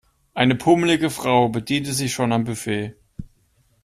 Eine pummelige Frau bediente sich schon am Buffet.